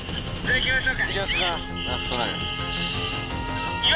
いきましょうか。